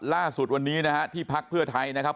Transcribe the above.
ล่าสุดวันนี้นะฮะที่พักเพื่อไทยนะครับ